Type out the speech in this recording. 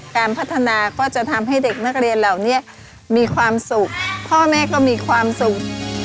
การพัฒนาก็จะทำให้เด็กนักเรียนเหล่านี้มีความสุขพ่อแม่ก็มีความสุข